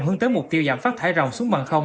hướng tới mục tiêu giảm phát thải rồng xuống bằng không